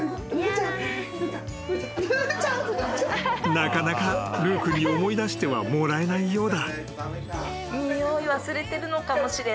［なかなかルー君に思い出してはもらえないようだ］